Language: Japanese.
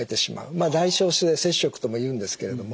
まあ代償性摂食とも言うんですけれども。